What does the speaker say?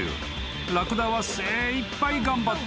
［ラクダは精いっぱい頑張った］